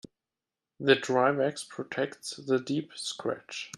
The dry wax protects the deep scratch.